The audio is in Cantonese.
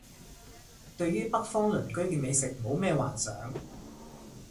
對於北方鄰居嘅美食冇咩幻想